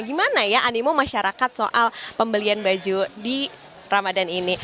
gimana ya animo masyarakat soal pembelian baju di ramadan ini